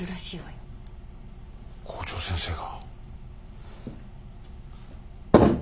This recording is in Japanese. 校長先生が。